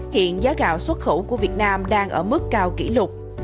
hiện giá gạo xuất khẩu của việt nam đang ở mức cao kỷ lục